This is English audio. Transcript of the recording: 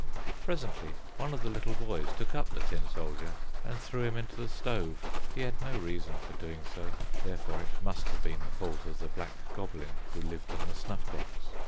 Presently one of the little boys took up the tin soldier, and threw him into the stove. He had no reason for doing so, therefore it must have been the fault of the black goblin who lived in the snuff box.